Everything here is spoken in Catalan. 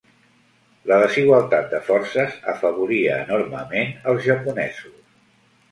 La desigualtat de forces afavoria enormement els japonesos.